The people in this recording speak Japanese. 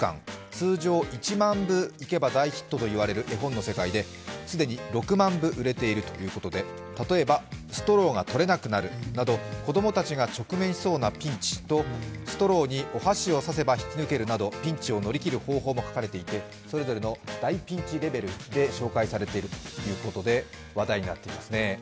通常１万部いけば大ヒットといわれる絵本の世界で既に６万部売れているということで例えばストローがとれなくなるなど、子供たちが直面しそうなピンチとストローにお箸をつければ抜けるなど、それぞれの大ピンチレベルで紹介されているということで話題になっていますね。